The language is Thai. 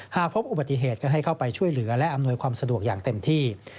หากพบอุบัติเหตุก็ให้เข้าไปช่วยเหลือและอำนวยความสะดวกอย่างเต็มที่